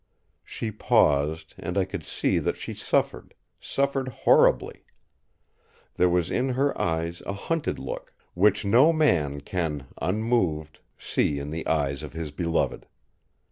She paused, and I could see that she suffered—suffered horribly. There was in her eyes a hunted look, which no man can, unmoved, see in the eyes of his beloved.